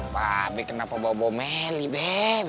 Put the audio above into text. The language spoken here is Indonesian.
bap be kenapa bawa bawa meli be